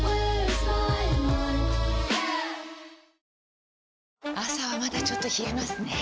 改め朝はまだちょっと冷えますねぇ。